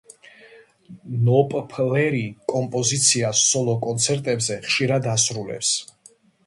ნოპფლერი კომპოზიციას სოლო კონცერტებზე ხშირად ასრულებს.